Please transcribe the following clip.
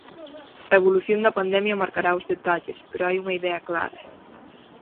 A evolución da pandemia marcará os detalles, pero hai unha idea clara.